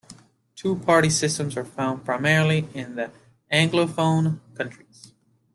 Two party systems are found primarily in the Anglophone countries.